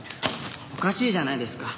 おかしいじゃないですか。